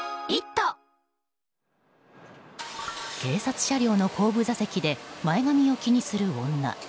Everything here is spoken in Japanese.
警察車両の後部座席で前髪を気にする女。